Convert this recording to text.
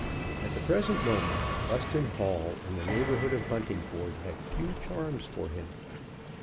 At the present moment Buston Hall and the neighborhood of Buntingford had few charms for him.